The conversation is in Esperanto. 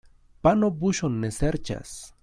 Pano buŝon ne serĉas.